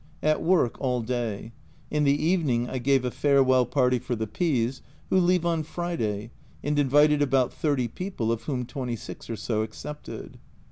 At work all day ; in the evening I gave a farewell party for the P s (who leave on Friday, and invited about 30 people, of whom 26 or so accepted.